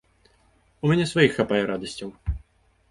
У мяне сваіх хапае радасцяў.